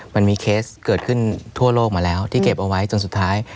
มันมีเคสเกิดขึ้นทั่วโลกมาแล้วที่เก็บเอาไว้จนสุดท้าย